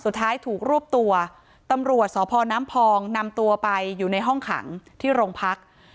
สุดท้ายถูกรวบตัวตำรวจสพน้ำพองนำตัวไปอยู่ในห้องขังที่โรงพัก